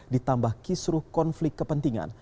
ditambah kisruh konflik kepentingan